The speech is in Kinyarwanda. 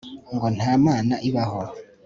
ngo nta mana ibaho